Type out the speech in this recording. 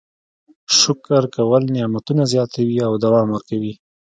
شکر کول نعمتونه زیاتوي او دوام ورکوي.